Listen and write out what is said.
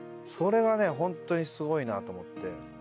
それはホントにすごいなと思って。